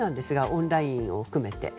オンラインを含めて。